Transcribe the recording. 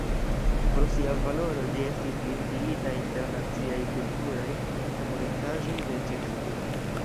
Pro sia valoro ĝi estas listigita inter Naciaj kulturaj memorindaĵoj de Ĉeĥio.